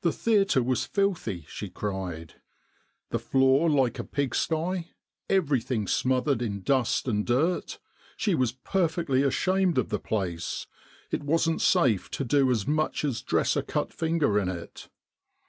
The theatre was filthy, she cried the floor like a pig sty everything smothered in dust and dirt she was perfectly ashamed of the place it wasn't safe to do as much as dress a cut finger in it.